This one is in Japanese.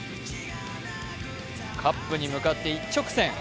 カップに向かって一直線。